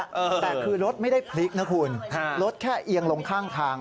เออแต่คือรถไม่ได้พลิกนะคุณฮะรถแค่เอียงลงข้างทาง